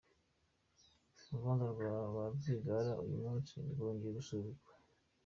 Urubanza rwa ba Rwigara uyu munsi rwongeye gusubikwa.